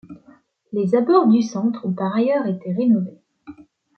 Les abords du centre ont par ailleurs été rénovés.